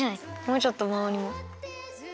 もうちょっとまわりも。